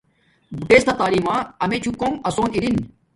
بوٹڎ تا تعلیم ما امیچو کُوم اسون اینگ